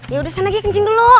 ya udah sana gi kencing dulu